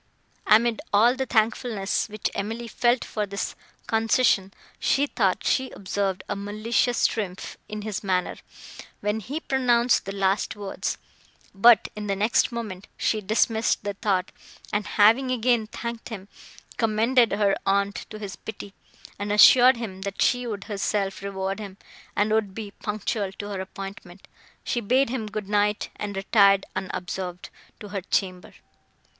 Amid all the thankfulness, which Emily felt for this concession, she thought she observed a malicious triumph in his manner, when he pronounced the last words; but, in the next moment, she dismissed the thought, and, having again thanked him, commended her aunt to his pity, and assured him, that she would herself reward him, and would be punctual to her appointment, she bade him good night, and retired, unobserved, to her chamber.